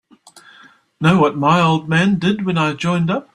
Know what my old man did when I joined up?